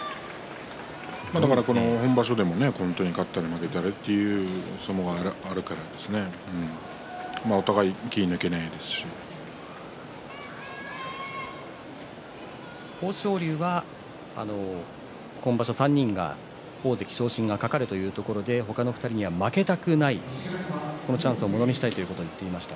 本場所でも勝ったり負けたりという相撲があるから豊昇龍は今場所３人が大関昇進が懸かるというところで他の２人には負けたくないこのチャンスをものにしたいということを言っていました。